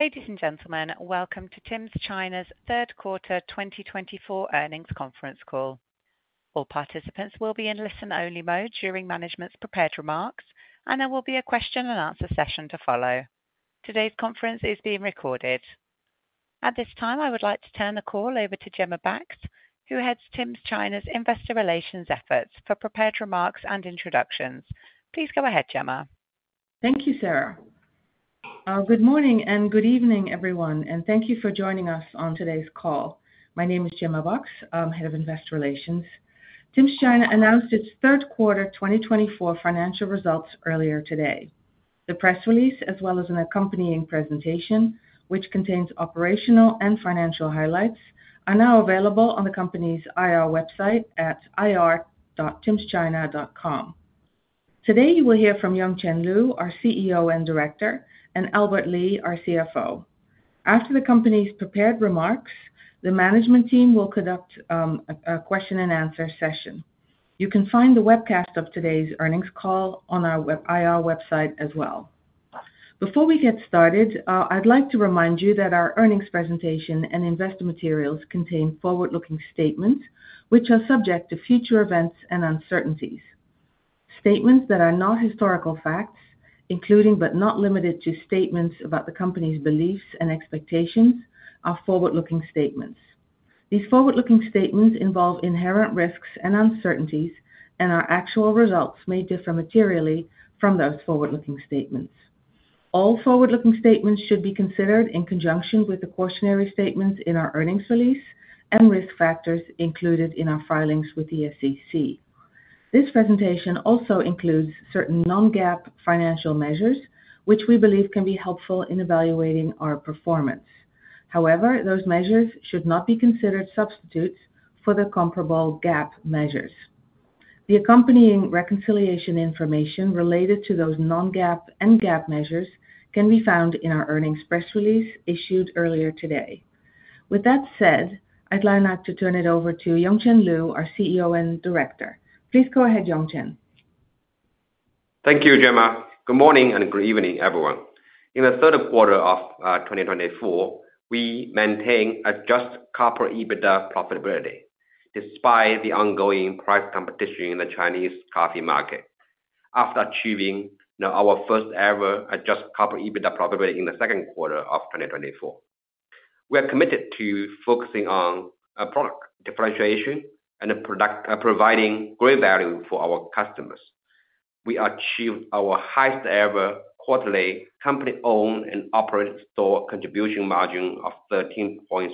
Ladies and gentlemen, welcome to Tims China's Q3 2024 earnings conference call. All participants will be in listen-only mode during management's prepared remarks, and there will be a question-and-answer session to follow. Today's conference is being recorded. At this time, I would like to turn the call over to Gemma Bakx, who heads Tims China's investor relations efforts for prepared remarks and introductions. Please go ahead, Gemma. Thank you, Sarah. Good morning and good evening, everyone, and thank you for joining us on today's call. My name is Gemma Bakx. I'm head of investor relations. Tims China announced its Q3 2024 financial results earlier today. The press release, as well as an accompanying presentation, which contains operational and financial highlights, are now available on the company's IR website at ir.timschina.com. Today, you will hear from Yongchen Lu, our CEO and director, and Albert Li, our CFO. After the company's prepared remarks, the management team will conduct a question-and-answer session. You can find the webcast of today's earnings call on our IR website as well. Before we get started, I'd like to remind you that our earnings presentation and investor materials contain forward-looking statements which are subject to future events and uncertainties. Statements that are not historical facts, including but not limited to statements about the company's beliefs and expectations, are forward-looking statements. These forward-looking statements involve inherent risks and uncertainties, and our actual results may differ materially from those forward-looking statements. All forward-looking statements should be considered in conjunction with the cautionary statements in our earnings release and risk factors included in our filings with the SEC. This presentation also includes certain non-GAAP financial measures, which we believe can be helpful in evaluating our performance. However, those measures should not be considered substitutes for the comparable GAAP measures. The accompanying reconciliation information related to those non-GAAP and GAAP measures can be found in our earnings press release issued earlier today. With that said, I'd like to turn it over to Yongchen Lu, our CEO and Director. Please go ahead, Yongchen. Thank you, Gemma. Good morning and good evening, everyone. In the Q3 of 2024, we maintain adjusted corporate EBITDA profitability despite the ongoing price competition in the Chinese coffee market, after achieving our first-ever adjusted corporate EBITDA profitability in the Q2 of 2024. We are committed to focusing on product differentiation and providing great value for our customers. We achieved our highest-ever quarterly company-owned and operated store contribution margin of 13.3%,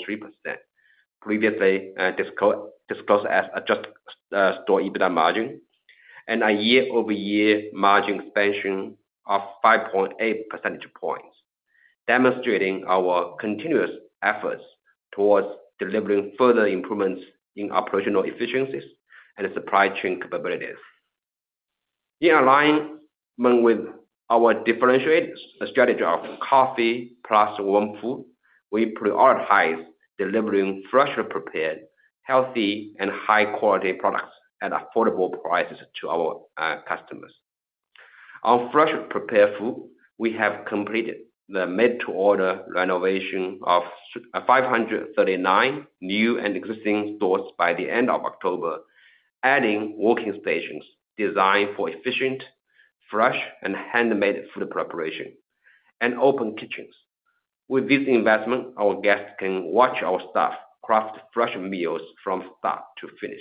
previously disclosed as adjusted store EBITDA margin, and a year-over-year margin expansion of 5.8 percentage points, demonstrating our continuous efforts towards delivering further improvements in operational efficiencies and supply chain capabilities. In alignment with our differentiated strategy of coffee plus warm food, we prioritize delivering freshly prepared, healthy, and high-quality products at affordable prices to our customers. On freshly prepared food, we have completed the made-to-order renovation of 539 new and existing stores by the end of October, adding working stations designed for efficient, fresh, and handmade food preparation, and open kitchens. With this investment, our guests can watch our staff craft fresh meals from start to finish.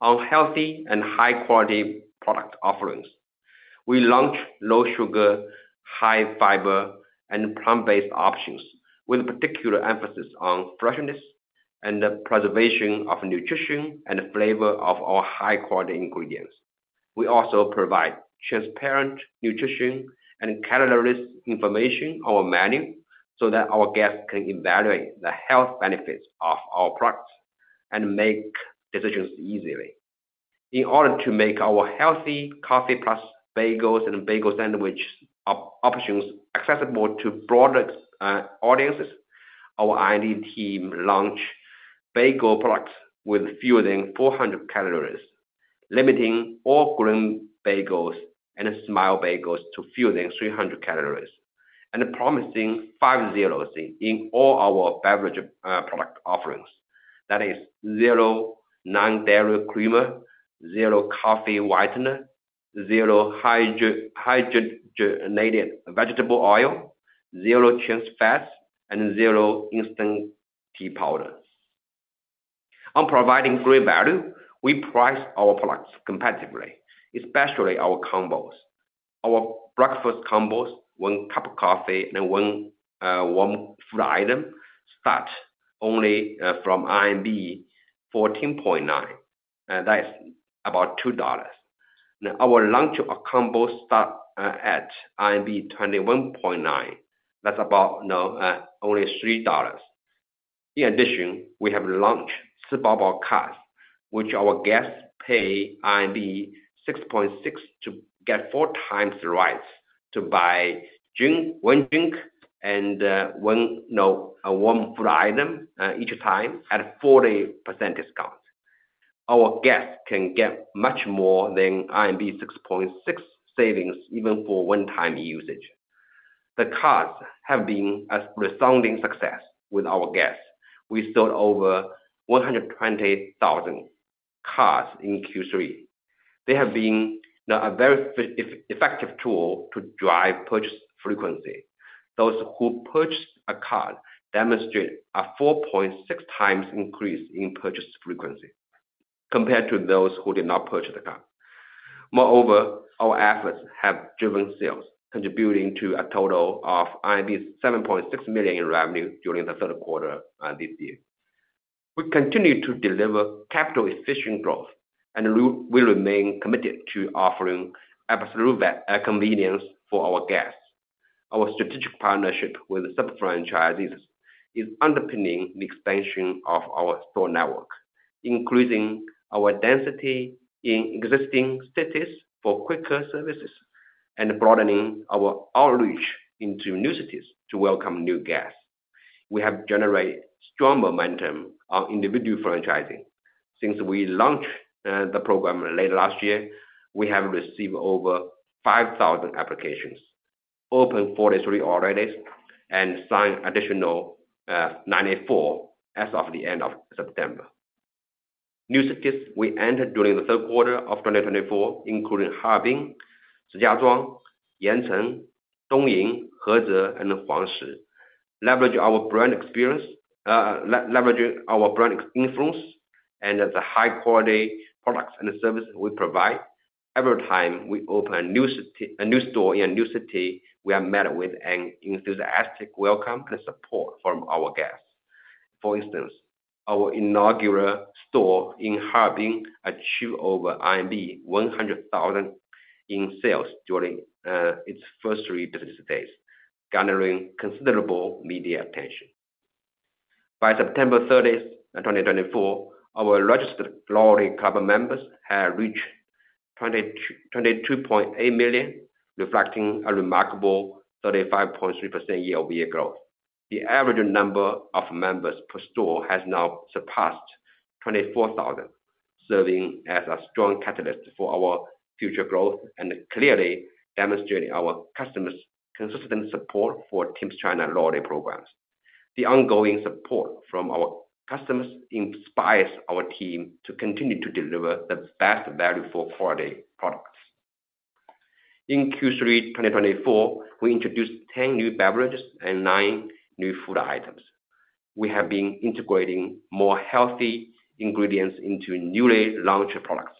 On healthy and high-quality product offerings, we launch low-sugar, high-fiber, and plant-based options, with a particular emphasis on freshness and the preservation of nutrition and flavor of our high-quality ingredients. We also provide transparent nutrition and calories information on our menu so that our guests can evaluate the health benefits of our products and make decisions easily. In order to make our healthy coffee plus bagels and bagel sandwich options accessible to broader audiences, our R&D team launched bagel products with fewer than 400 calories, limiting all grain bagels and Smile Bagels to fewer than 300 calories, and promising five zeros in all our beverage product offerings. That is zero non-dairy creamer, zero coffee whitener, zero hydrogenated vegetable oil, zero trans fats, and zero instant tea powders. On providing great value, we price our products competitively, especially our combos. Our breakfast combos, one cup of coffee and one warm food item, start only from RMB 14.9. That is about $2. Our lunch combo starts at 21.9. That's about only $3. In addition, we have launched Si-Bo-Bo Card, which our guests pay 6.6 to get four times the rights to buy one drink and one warm food item each time at a 40% discount. Our guests can get much more than RMB 6.6 savings even for one-time usage. The cards have been a resounding success with our guests. We sold over 120,000 cards in Q3. They have been a very effective tool to drive purchase frequency. Those who purchased a card demonstrate a 4.6 times increase in purchase frequency compared to those who did not purchase the card. Moreover, our efforts have driven sales, contributing to a total of 7.6 million in revenue during the Q3 this year. We continue to deliver capital-efficient growth, and we remain committed to offering absolute convenience for our guests. Our strategic partnership with sub-franchisees is underpinning the expansion of our store network, increasing our density in existing cities for quicker services, and broadening our outreach into new cities to welcome new guests. We have generated strong momentum on individual franchising. Since we launched the program late last year, we have received over 5,000 applications, opened 43 already, and signed additional 94 as of the end of September. New cities we entered during the Q3 of 2024, including Harbin, Shijiazhuang, Yancheng, Dongying, Hezhi, and Huangshi, leverage our brand influence and the high-quality products and services we provide. Every time we open a new store in a new city, we are met with an enthusiastic welcome and support from our guests. For instance, our inaugural store in Harbin achieved over 100,000 in sales during its first three business days, garnering considerable media attention. By September 30, 2024, our registered loyalty club members had reached 22.8 million, reflecting a remarkable 35.3% year-over-year growth. The average number of members per store has now surpassed 24,000, serving as a strong catalyst for our future growth and clearly demonstrating our customers' consistent support for Tims China loyalty programs. The ongoing support from our customers inspires our team to continue to deliver the best value for quality products. In Q3 2024, we introduced 10 new beverages and nine new food items. We have been integrating more healthy ingredients into newly launched products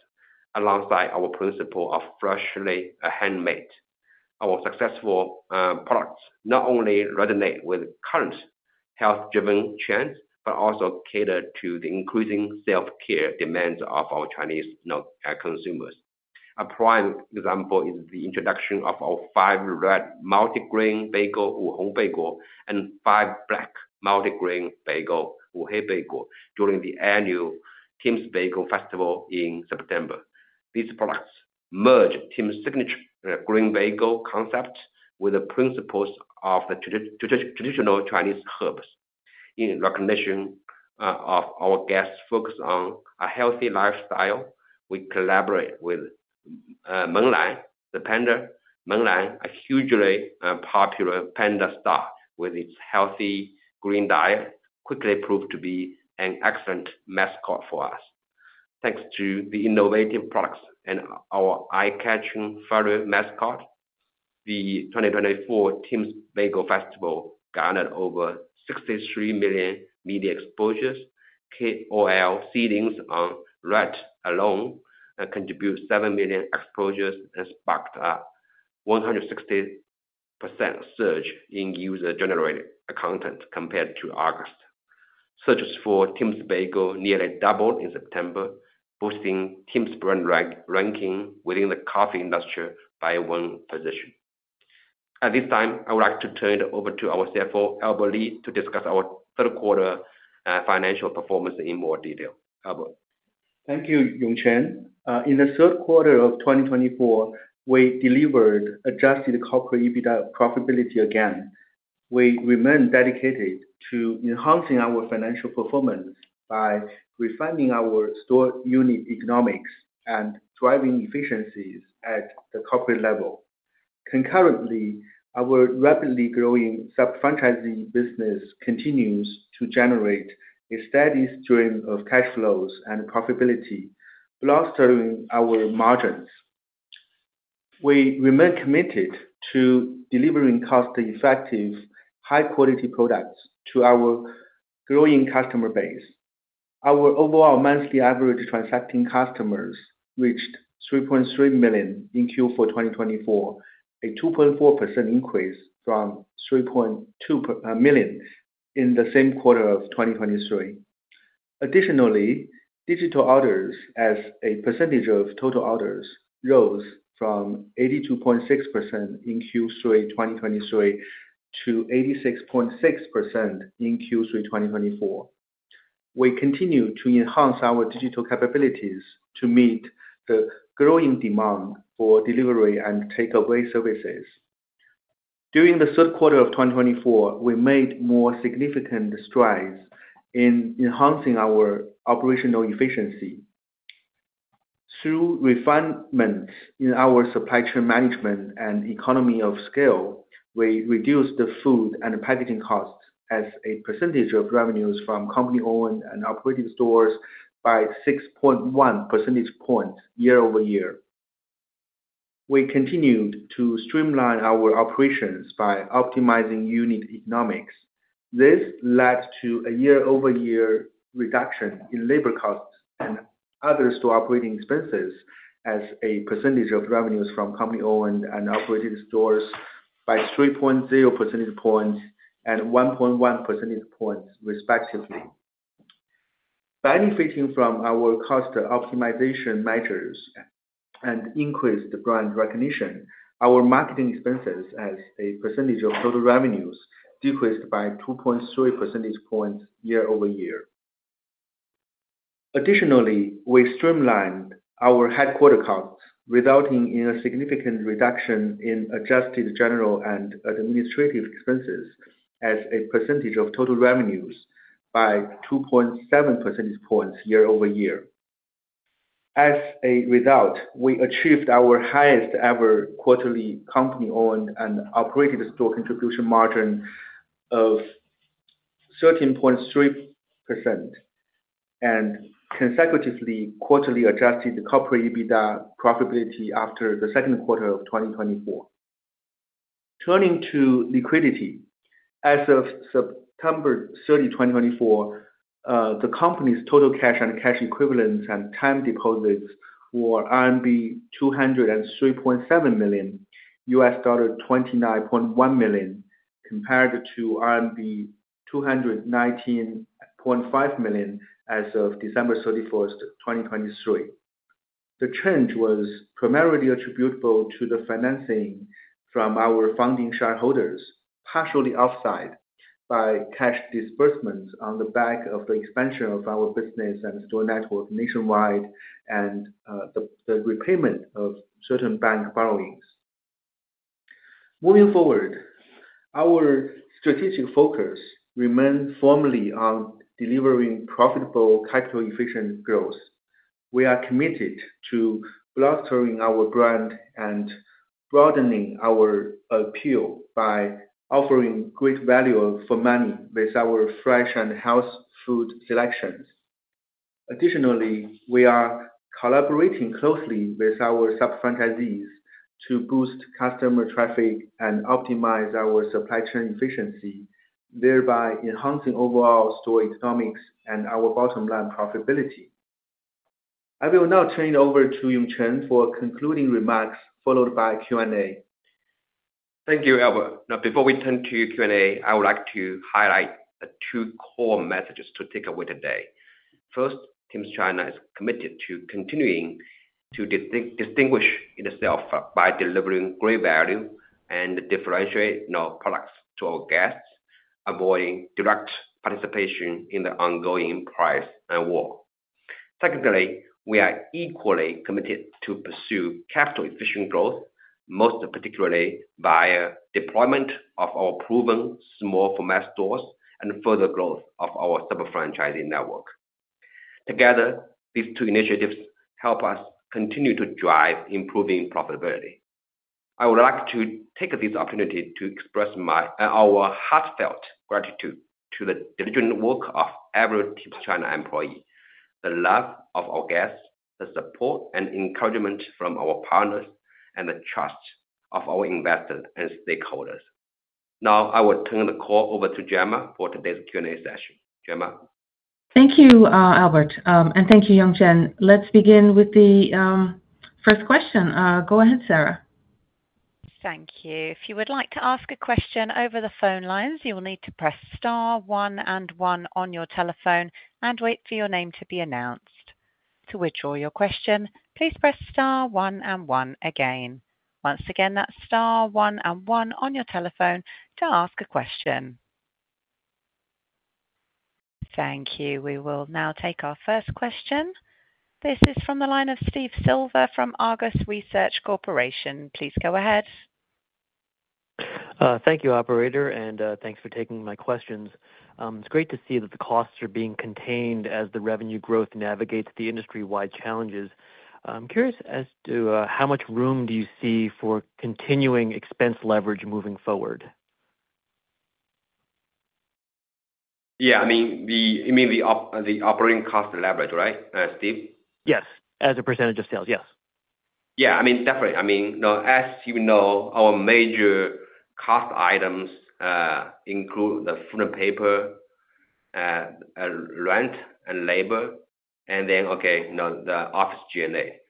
alongside our principle of freshly handmade. Our successful products not only resonate with current health-driven trends but also cater to the increasing self-care demands of our Chinese consumers. A prime example is the introduction of our five red multi-grain bagels, Wuhong bagel, and five black multi-grain bagels, Wuhei bagel, during the annual Tims Bagel Festival in September. These products merge Tims' signature green bagel concept with the principles of traditional Chinese herbs. In recognition of our guests' focus on a healthy lifestyle, we collaborate with Meng Lan, the panda. Meng Lan, a hugely popular panda star, with its healthy green diet, quickly proved to be an excellent mascot for us. Thanks to the innovative products and our eye-catching furry mascot, the 2024 Tims Bagel Festival garnered over 63 million media exposures. KOL seedings on RED alone contributed 7 million exposures and sparked a 160% surge in user-generated content compared to August. Searches for Tims bagel nearly doubled in September, boosting Tims brand ranking within the coffee industry by one position. At this time, I would like to turn it over to our CFO, Albert Li, to discuss our Q3 financial performance in more detail. Albert. Thank you, Yongchen. In the Q3 of 2024, we delivered Adjusted Corporate EBITDA profitability again. We remain dedicated to enhancing our financial performance by refining our store unit economics and driving efficiencies at the corporate level. Concurrently, our rapidly growing sub-franchisee business continues to generate a steady stream of cash flows and profitability, bolstering our margins. We remain committed to delivering cost-effective, high-quality products to our growing customer base. Our overall monthly average transacting customers reached 3.3 million in Q3 2024, a 2.4% increase from 3.2 million in the same quarter of 2023. Additionally, digital orders as a percentage of total orders rose from 82.6% in Q3 2023 to 86.6% in Q3 2024. We continue to enhance our digital capabilities to meet the growing demand for delivery and takeaway services. During the Q3 of 2024, we made more significant strides in enhancing our operational efficiency. Through refinements in our supply chain management and economies of scale, we reduced the food and packaging costs as a percentage of revenues from company-owned and operated stores by 6.1 percentage points year-over-year. We continued to streamline our operations by optimizing unit economics. This led to a year-over-year reduction in labor costs and other store operating expenses as a percentage of revenues from company-owned and operated stores by 3.0 percentage points and 1.1 percentage points, respectively. Benefiting from our cost optimization measures and increased brand recognition, our marketing expenses as a percentage of total revenues decreased by 2.3 percentage points year-over-year. Additionally, we streamlined our headquarters costs, resulting in a significant reduction in adjusted general and administrative expenses as a percentage of total revenues by 2.7 percentage points year-over-year. As a result, we achieved our highest-ever quarterly company-owned and operated store contribution margin of 13.3% and consecutive quarterly adjusted corporate EBITDA profitability after the Q2 of 2024. Turning to liquidity, as of September 30, 2024, the company's total cash and cash equivalents and time deposits were RMB 203.7 million, $29.1 million, compared to RMB 219.5 million as of December 31, 2023. The change was primarily attributable to the financing from our founding shareholders, partially offset by cash disbursements on the back of the expansion of our business and store network nationwide and the repayment of certain bank borrowings. Moving forward, our strategic focus remains firmly on delivering profitable capital-efficient growth. We are committed to bolstering our brand and broadening our appeal by offering great value for money with our fresh and healthy food selections. Additionally, we are collaborating closely with our sub-franchisees to boost customer traffic and optimize our supply chain efficiency, thereby enhancing overall store economics and our bottom-line profitability. I will now turn it over to Yongchen for concluding remarks, followed by Q&A. Thank you, Albert. Now, before we turn to Q&A, I would like to highlight two core messages to take away today. First, Tims China is committed to continuing to distinguish itself by delivering great value and differentiating products to our guests, avoiding direct participation in the ongoing price war. Secondly, we are equally committed to pursuing capital-efficient growth, most particularly via deployment of our proven small-format stores and further growth of our sub-franchisee network. Together, these two initiatives help us continue to drive improving profitability. I would like to take this opportunity to express our heartfelt gratitude to the diligent work of every Tims China employee, the love of our guests, the support and encouragement from our partners, and the trust of our investors and stakeholders. Now, I will turn the call over to Gemma for today's Q&A session. Gemma. Thank you, Albert, and thank you, Yongchen. Let's begin with the first question. Go ahead, Sarah. Thank you. If you would like to ask a question over the phone lines, you will need to press star, one, and one on your telephone and wait for your name to be announced. To withdraw your question, please press star, one, and one again. Once again, that's star, one, and one on your telephone to ask a question. Thank you. We will now take our first question. This is from the line of Steve Silver from Argus Research Corporation. Please go ahead. Thank you, Operator, and thanks for taking my questions. It's great to see that the costs are being contained as the revenue growth navigates the industry-wide challenges. I'm curious as to how much room do you see for continuing expense leverage moving forward? Yeah, I mean, you mean the operating cost leverage, right, Steve? Yes, as a percentage of sales, yes. Yeah, I mean, definitely. I mean, as you know, our major cost items include the food and paper, rent, and labor, and then, okay, the office G&A, so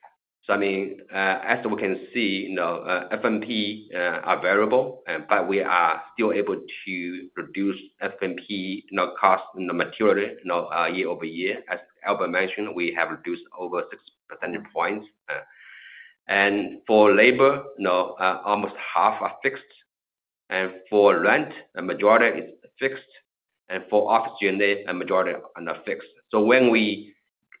I mean, as we can see, F&P are variable, but we are still able to reduce F&P cost materially year-over-year. As Albert mentioned, we have reduced over six percentage points, and for labor, almost half are fixed, and for rent, the majority is fixed, and for office G&A, a majority are fixed, so when we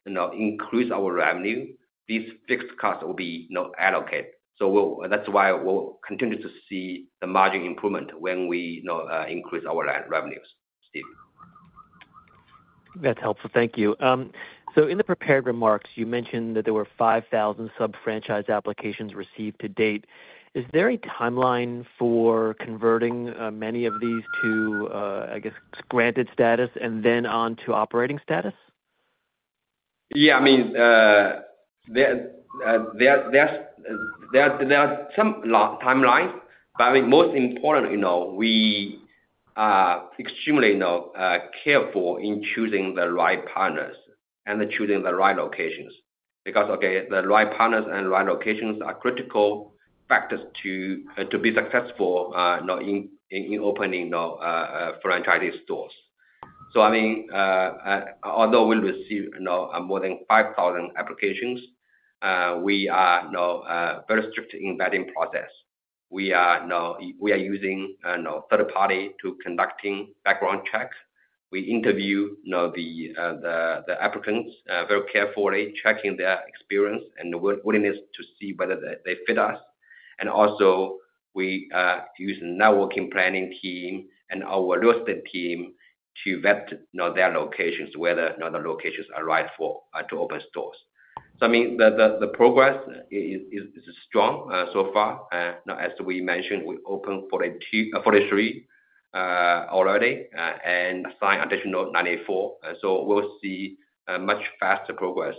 increase our revenue, these fixed costs will be allocated. So that's why we'll continue to see the margin improvement when we increase our revenues, Steve. That's helpful. Thank you. So in the prepared remarks, you mentioned that there were 5,000 sub-franchise applications received to date. Is there a timeline for converting many of these to, I guess, granted status and then on to operating status? Yeah, I mean, there are some timelines, but I mean, most importantly, we are extremely careful in choosing the right partners and choosing the right locations because, okay, the right partners and right locations are critical factors to be successful in opening franchise stores. So, I mean, although we received more than 5,000 applications, we are very strict in the vetting process. We are using third parties to conduct background checks. We interview the applicants very carefully, checking their experience and willingness to see whether they fit us. And also, we use a networking planning team and our real estate team to vet their locations, whether the locations are right to open stores. So, I mean, the progress is strong so far. As we mentioned, we opened 43 already and assigned additional 94. So we'll see much faster progress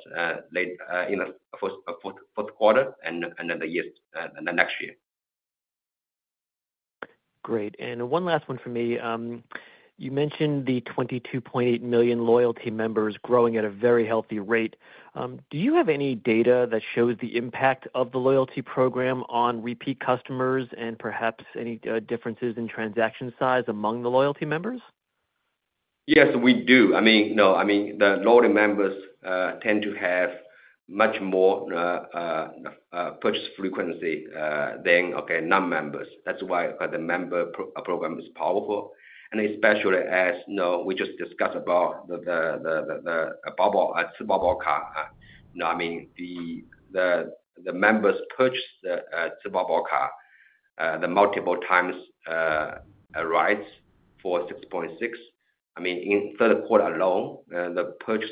in the Q4 and the next year. Great. And one last one for me. You mentioned the 22.8 million loyalty members growing at a very healthy rate. Do you have any data that shows the impact of the loyalty program on repeat customers and perhaps any differences in transaction size among the loyalty members? Yes, we do. I mean, the loyalty members tend to have much more purchase frequency than non-members. That's why the member program is powerful, and especially as we just discussed about the Si-Bo-Bo Card, I mean, the members purchase the Si-Bo-Bo Card multiple times rates for 6.6. I mean, in Q3 alone, the purchase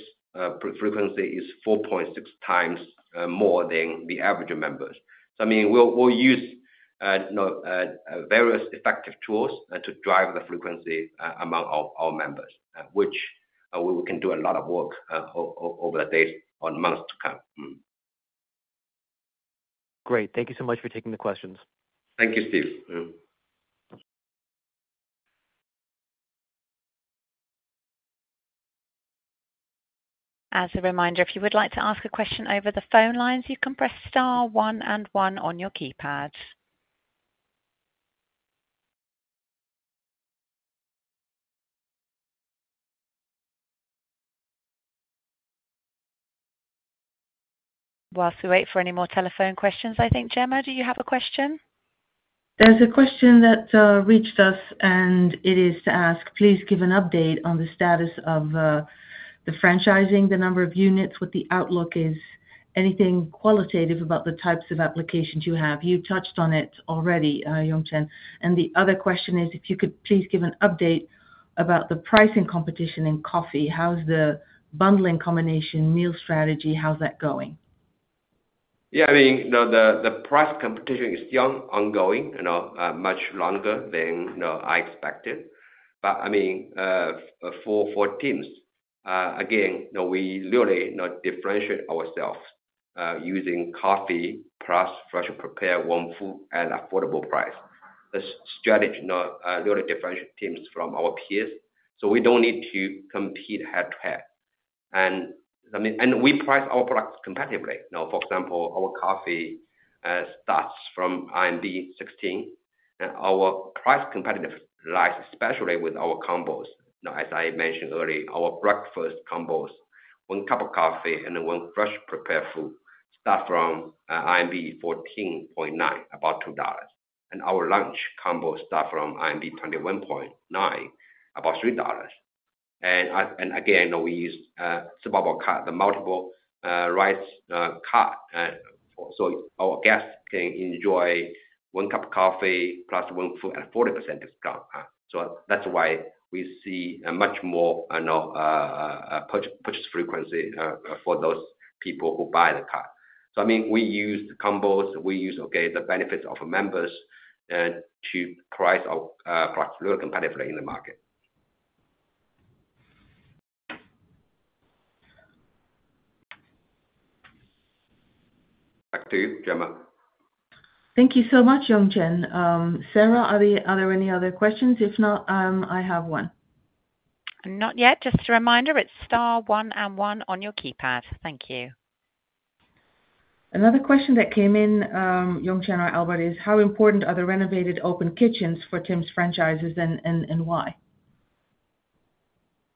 frequency is 4.6 times more than the average members. So, I mean, we'll use various effective tools to drive the frequency among our members, which we can do a lot of work over the days or months to come. Great. Thank you so much for taking the questions. Thank you, Steve. As a reminder, if you would like to ask a question over the phone lines, you can press star, one, and one on your keypad. While we wait for any more telephone questions, I think, Gemma, do you have a question? There's a question that reached us, and it is to ask, please give an update on the status of the franchising, the number of units, what the outlook is, anything qualitative about the types of applications you have. You touched on it already, Yongchen. And the other question is, if you could please give an update about the pricing competition in coffee. How's the bundling combination meal strategy? How's that going? Yeah, I mean, the price competition is still ongoing, much longer than I expected, but I mean, for Tims, again, we really differentiate ourselves using coffee plus freshly prepared warm food at affordable price. This strategy really differentiates Tims from our peers, so we don't need to compete head-to-head, and we price our products competitively. For example, our coffee starts from 16. Our price competitiveness lies especially with our combos. As I mentioned earlier, our breakfast combos, one cup of coffee and one fresh prepared food start from 14.9, about $2, and our lunch combo starts from 21.9, about $3, and again, we use Si-Bo-Bo Card, the membership card. So our guests can enjoy one cup of coffee plus one food at 40% discount. So that's why we see much more purchase frequency for those people who buy the card. So, I mean, we use combos. We use the benefits of members to price our products really competitively in the market. Back to you, Gemma. Thank you so much, Yongchen. Sarah, are there any other questions? If not, I have one. Not yet. Just a reminder, it's star, one, and one on your keypad. Thank you. Another question that came in, Yongchen or Albert, is how important are the renovated open kitchens for Tims franchises and why?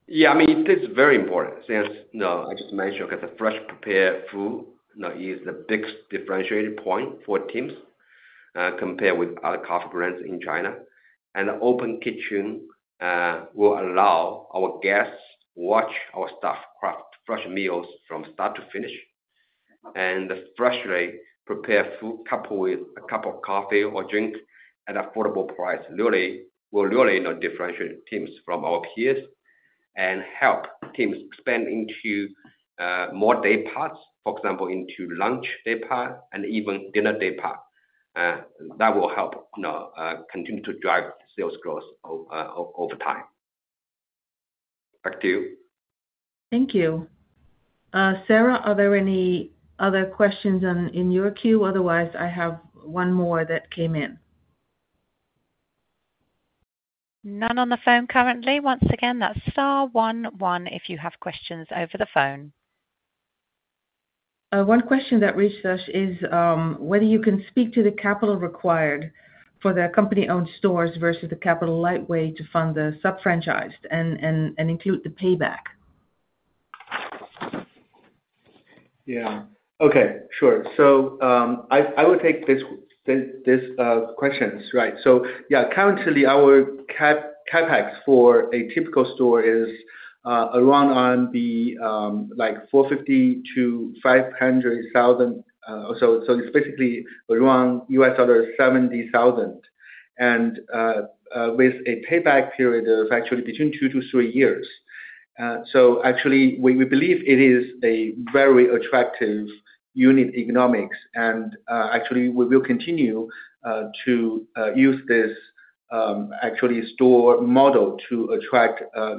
Yeah, I mean, it is very important. Since I just mentioned, the fresh prepared food is the biggest differentiating point for Tims compared with other coffee brands in China, and the open kitchen will allow our guests to watch our staff craft fresh meals from start to finish, and the freshly prepared food coupled with a cup of coffee or drink at affordable price will really differentiate Tims from our peers and help Tims expand into more day parts, for example, into lunch day part and even dinner day part. That will help continue to drive sales growth over time. Back to you. Thank you. Sarah, are there any other questions in your queue? Otherwise, I have one more that came in. None on the phone currently. Once again, that's star, one, one if you have questions over the phone. One question that reached us is whether you can speak to the capital required for the company-owned stores versus the capital light way to fund the sub-franchised and include the payback? Yeah. Okay. Sure, so I will take this question, right? So, yeah, currently, our CapEx for a typical store is around 450,000-500,000. So it's basically around $70,000 and with a payback period of actually between two to three years. So actually, we believe it is a very attractive unit economics. And actually, we will continue to use this actually store model to attract a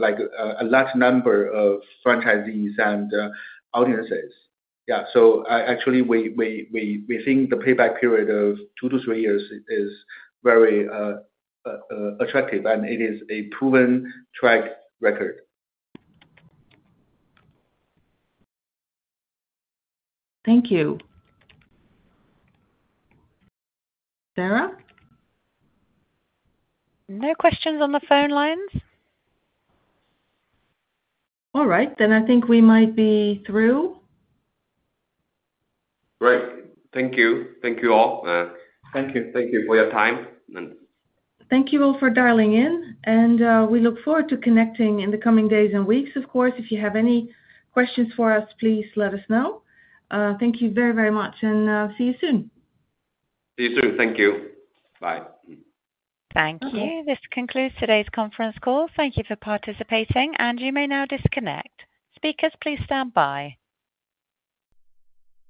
large number of franchisees and audiences. Yeah. So actually, we think the payback period of two to three years is very attractive, and it is a proven track record. Thank you. Sarah? No questions on the phone lines? All right. Then I think we might be through. Great. Thank you. Thank you all. Thank you. Thank you for your time. Thank you all for dialing in. We look forward to connecting in the coming days and weeks, of course. If you have any questions for us, please let us know. Thank you very, very much, and see you soon. See you soon. Thank you. Bye. Thank you. This concludes today's conference call. Thank you for participating, and you may now disconnect. Speakers, please stand by.